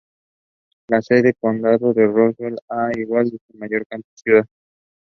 It is mostly present in wild avian species.